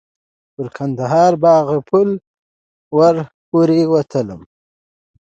پر کندهار باغ پل ور پورې وتلو.